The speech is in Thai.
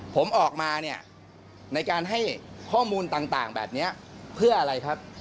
ผมออกมาเนี่ยในการให้ข้อมูลต่างแบบนี้เพื่ออะไรครับ